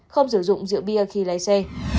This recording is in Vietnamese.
không sử dụng rượu bia khi lấy xe